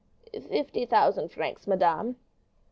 "Fifty thousand francs, madame."